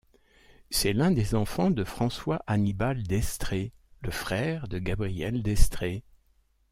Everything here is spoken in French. C'est l'un des enfants de François Hannibal d'Estrées, le frère de Gabrielle d'Estrées.